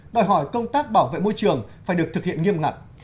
đòi hỏi công tác bảo vệ môi trường phải được thực hiện nghiêm ngặt